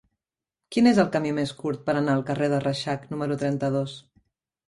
Quin és el camí més curt per anar al carrer de Reixac número trenta-dos?